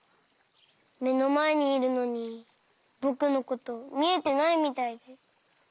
めのまえにいるのにぼくのことみえてないみたいで。